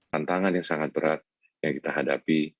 tantangan yang sangat berat yang kita hadapi